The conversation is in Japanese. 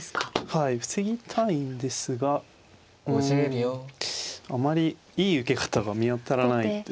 はい防ぎたいんですがうんあまりいい受け方が見当たらないですね。